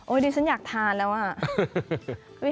โอ้ยดิฉันอยากทานแล้วว่ะ